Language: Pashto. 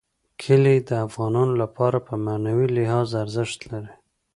کلي د افغانانو لپاره په معنوي لحاظ ارزښت لري.